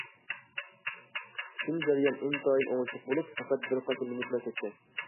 پۈتۈن جەريان ئىنتايىن ئوڭۇشلۇق بولۇپ، پەقەت بىر قانچە مىنۇتلا كەتكەن.